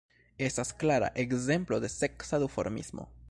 Estas klara ekzemplo de seksa duformismo.